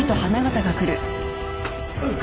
うっ。